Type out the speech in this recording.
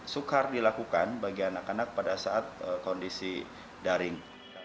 sukar dilakukan bagi anak anak pada saat kondisi daring